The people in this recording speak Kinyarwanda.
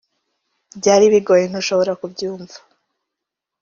byari bigoye ntushobora kubyumva